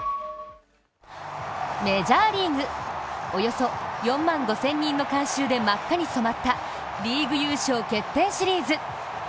メジャーリーグ、およそ４万５０００人の観衆で真っ赤に染まった、リーグ優勝決定シリーズ。